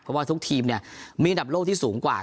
เพราะว่าทุกทีมเนี่ยมีอันดับโลกที่สูงกว่า